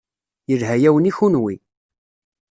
Yelha-yawen i kunwi.